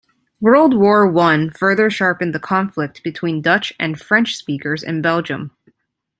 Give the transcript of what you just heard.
World War One further sharpened the conflict between Dutch and French speakers in Belgium.